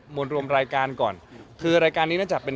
วนรวมรายการก่อนคือรายการนี้น่าจะเป็น